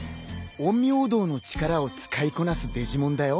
陰陽道の力を使いこなすデジモンだよ。